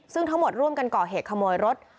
ซึ่งทั้งหมดร่วมกันก่อเหตุขโมยรถ